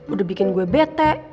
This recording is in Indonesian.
udah bikin gue bete